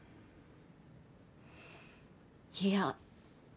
いや。